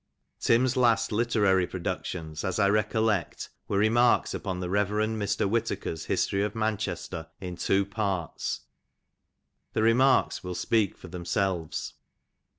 "Tim's last literary productions, as I recollect, were " Remarks upon the Rev. Mr. "VVLittaker's History of Manchester, in two parts :" the " Remarks " will speak for themselves.